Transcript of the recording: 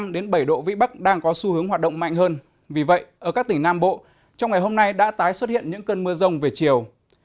năm đến bảy độ vĩ bắc đang có xu hướng hoạt động mạnh hơn vì vậy ở các tỉnh nam bộ trong ngày hôm nay đã tái xuất hiện những cơn mưa rông về chiều